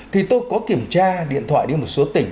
thì tôi có kiểm tra điện thoại đi một số tỉnh